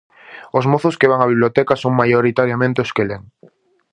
Os mozos que van á biblioteca son maioritariamente os que len.